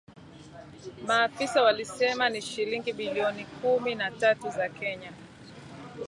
Maafisa walisema ni shilingi bilioni kumi na tatu za Kenya